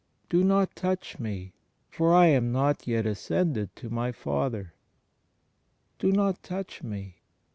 "Do not touch me, for I am not yet ascended to my Father." "Do not touch me."